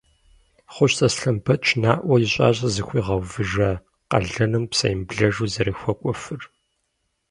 Хъущт Аслъэнбэч наӏуэ ищӏащ зыхуигъэувыжа къалэным псэемыблэжу зэрыхуэкӏуэфыр.